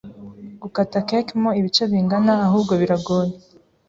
Gukata cake mo ibice bingana ahubwo biragoye